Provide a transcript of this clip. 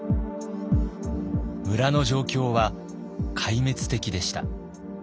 村の状況は壊滅的でした。